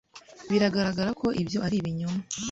Biragaragara ko ibyo ari ibinyoma.